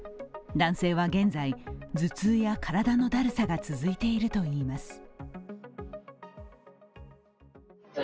男性は現在、頭痛や体のだるさが続いているといいます。